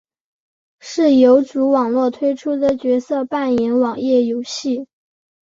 是游族网络推出的角色扮演网页游戏。